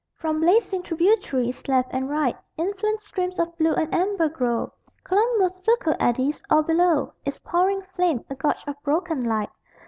From blazing tributaries, left and right, Influent streams of blue and amber grow. Columbus Circle eddies: all below Is pouring flame, a gorge of broken light.